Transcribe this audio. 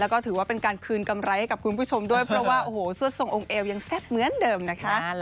แล้วก็ถือว่าเป็นการคืนกำไรให้กับคุณผู้ชมด้วยเพราะว่าโอ้โหสวดทรงองค์เอวยังแซ่บเหมือนเดิมนะคะ